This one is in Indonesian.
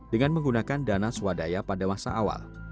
dengan menggunakan dana swadaya pada masa awal